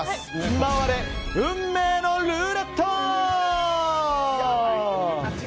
回れ、運命のルーレット！